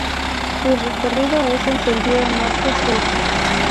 Su recorrido es en sentido norte-sur.